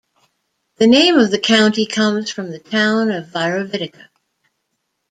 The name of the county comes from the town of Virovitica.